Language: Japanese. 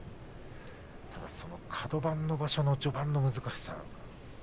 カド番の場所の序盤の難しさ。